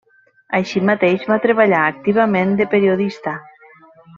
Així mateix, va treballar activament de periodista.